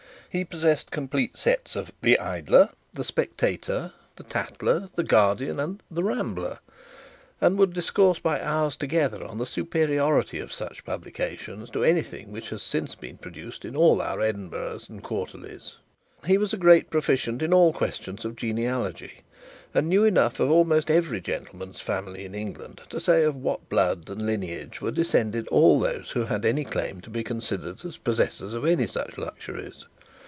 He possessed complete sets of the 'Idler', the 'Spectator,' the 'Tatler,' the 'Guardian,' and the 'Rambler;' and would discourse by hours together on the superiority of such publications to anything which has since been produced in our Edinburghs and Quarterlies. He was a great proficient in all questions of genealogy, and knew enough of almost every gentleman's family in England to say of what blood and lineage were descended all those who had any claim to be considered as possessors of any such luxuries.